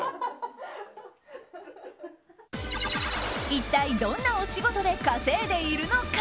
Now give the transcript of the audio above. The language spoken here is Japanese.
一体どんなお仕事で稼いでいるのか？